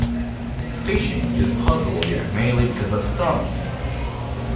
Fishing is possible here mainly because of stocking.